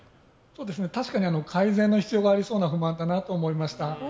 確かに改善の必要がありそうな不満だなと不満だなと思いました。